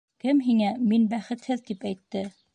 Кем һиңә мин бәхетһеҙ, тип әйтте?